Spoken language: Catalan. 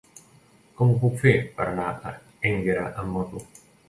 Com ho puc fer per anar a Énguera amb moto?